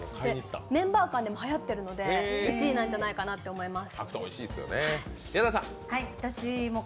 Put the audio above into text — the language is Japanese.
メンバー間でもはやっているので１位なんじゃないかなと思います。